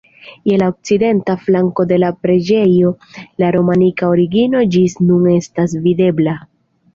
Je la okcidenta flanko de la preĝejo la romanika origino ĝis nun estas videbla.